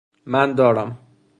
من دارم